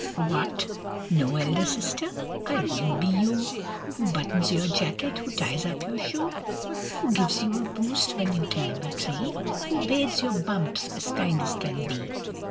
WHAT! no elder sister? I wouldn't be you! Who buttons your jacket? Who ties up your shoe? Who gives you a boost When you climb a tree? Who bathes your bumps, As kind as can be?